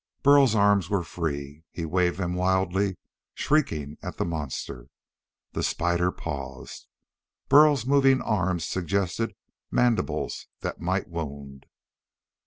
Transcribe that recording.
Burl's arms were free; he waved them wildly, shrieking at the monster. The spider paused. Burl's moving arms suggested mandibles that might wound.